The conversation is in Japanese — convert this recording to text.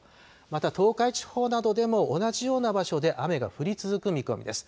また東海地方などでも同じような場所で雨が降り続く見込みです。